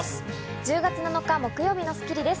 １０月７日、木曜日の『スッキリ』です。